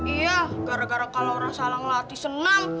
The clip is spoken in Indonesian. iya gara gara kalau orang salah ngelatih senang